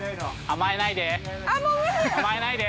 甘えないで！